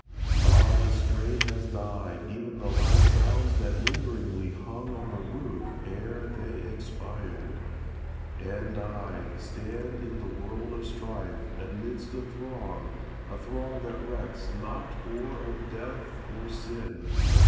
Ah, the strain Has died ev'n the last sounds that lingeringly Hung on the roof ere they expired! And I, Stand in the world of strife, amidst a throng, A throng that recks not or of death, or sin!